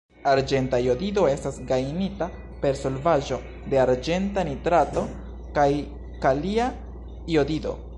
Arĝenta jodido estas gajnita per solvaĵo de arĝenta nitrato kaj kalia jodido.